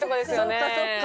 そっかそっか。